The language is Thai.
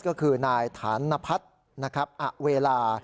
ก็คือนายฐานพัฒน์อเวลา